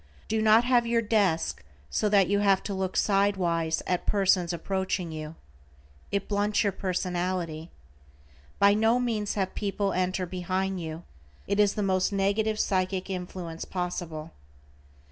Do not have your desk so that you have to look side wise at persons approaching you. It blunts your personality. By no means have people enter behind you, it is the most negative psychic influence possible.